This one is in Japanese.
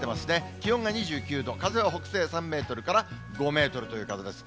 気温が２９度、風は北西３メートルから５メートルという風です。